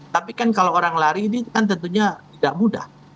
tapi kan kalau orang lari ini kan tentunya tidak mudah